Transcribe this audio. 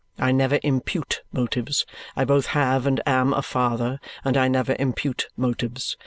I never impute motives; I both have and am a father, and I never impute motives.